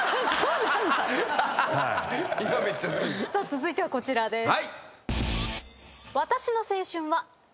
続いてはこちらです。